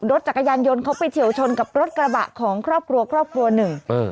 รถจักรยานยนต์เขาไปเฉียวชนกับรถกระบะของครอบครัวครอบครัวหนึ่ง